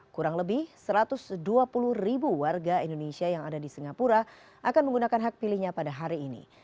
kurang lebih satu ratus dua puluh ribu warga indonesia yang ada di singapura akan menggunakan hak pilihnya pada hari ini